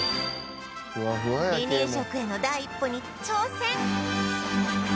離乳食への第一歩に挑戦！